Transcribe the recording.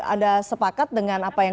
anda sepakat dengan apa yang